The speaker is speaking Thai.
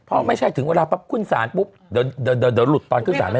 เพราะไม่ใช่ถึงเวลาปั๊บขึ้นศาลปุ๊บเดี๋ยวหลุดตอนขึ้นศาลเลย